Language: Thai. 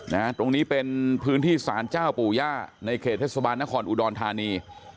ตรงนี้เป็นพื้นที่สารเจ้าปู่ย่าในเขตเทศบาลนครอุดรธานี